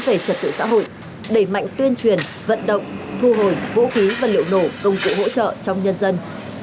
về trật tự xã hội đẩy mạnh tuyên truyền vận động thu hồi vũ khí và liệu nổ công cụ hỗ trợ trong nhân dân